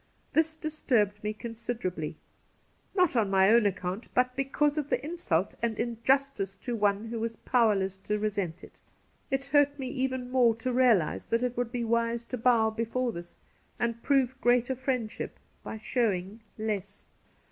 This disturbed me considerably, not on my own account, but because of the insult and injustice to one who was powerless to resent it. It hurt me even more to realize that it would be wise to bow before this and prove greater friendship by showing less.